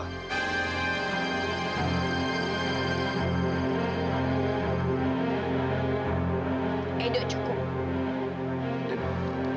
eh dok cukup